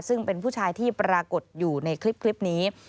ซึ่งเป็นผู้ชายที่ปรากฏอยู่ในคลิปนี้